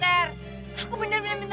ter mau nunggu using jeep nih